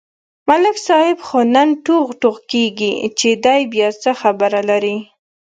ملک صاحب خو نن ټوغ ټوغ کېږي، چې دی بیا څه خبره لري.